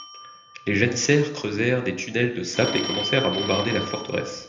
Les janissaires creusèrent des tunnels de sapes et commencèrent à bombarder la forteresse.